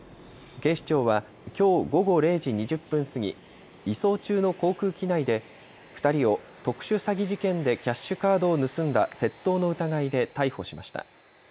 警視庁はきょう午後０時２０分過ぎ、移送中の航空機内で２人を特殊詐欺事件でキャッシュカードを盗んだ窃盗の疑いで逮捕しました。